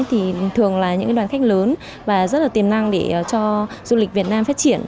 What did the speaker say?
thì thường là những đoàn khách lớn và rất là tiềm năng để cho du lịch việt nam phát triển